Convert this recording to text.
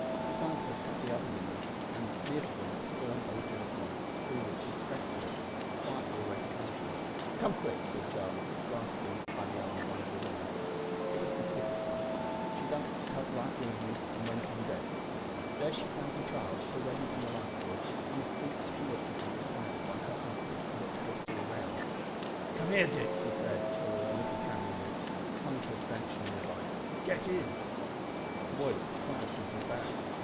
Beside her sat the other women, and, near to them, a stern old gentleman, who, with compressed lips, quietly awaited orders. "Come, quick!" said Charlie, grasping by the arm one of the women. It was the skipper's wife. She jumped up right willingly and went on deck. There she found her child already in the life buoy, and was instantly lifted in beside it by her husband, who looked hastily round. "Come here, Dick," he said to a little cabin boy who clung to a stanchion near by. "Get in." The boy looked surprised, and drew back.